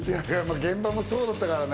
現場もそうだったからね。